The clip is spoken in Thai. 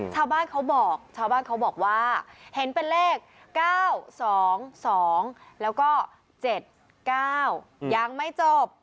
ชาวบ้านเขาบอกชาวบ้านเขาบอกว่าเห็นเป็นเลข๙๒๒แล้วก็๗๙ยังไม่จบ